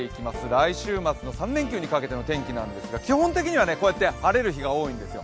来週末の３連休にかけての天気なんですが基本的にはこうやって晴れるところが多いんですよ。